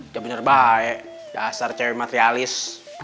dia benar baik dasar cewek materialis